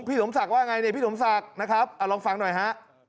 สมศักดิ์ว่าไงเนี่ยพี่สมศักดิ์นะครับลองฟังหน่อยฮะ